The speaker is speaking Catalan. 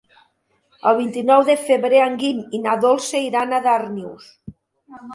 El vint-i-nou de febrer en Guim i na Dolça iran a Darnius.